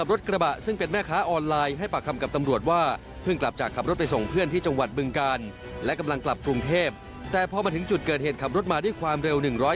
บริการและกำลังกลับกรุงเทพแต่พอมาถึงจุดเกิดเหตุขับรถมาด้วยความเร็ว